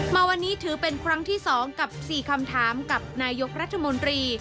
มาวันนี้ถือเป็นครั้งที่๒กับ๔คำถามกับนายกรัฐมนตรี